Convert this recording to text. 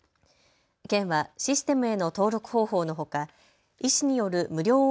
県はシステムへの登録方法のほか医師による無料